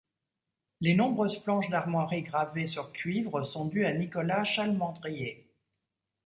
Les nombreuses planches d'armoiries gravées sur cuivre sont dues à Nicolas Chalmandrier.